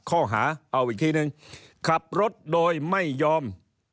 ข้อหาเอาอีกทีนึงขับรถโดยไม่ยอม